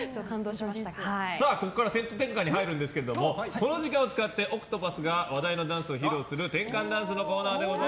ここからセット転換に入るんですがこの時間を使ってＯＣＴＰＡＴＨが話題のダンスを披露してくれる転換ダンスのコーナーです。